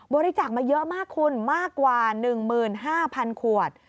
บริจาคมาเยอะมากคุณมากกว่า๑๕๐๐๐ขวด